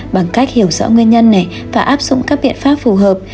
bằng cách hiểu rõ nguyên nhân này và áp dụng các biện pháp phù hợp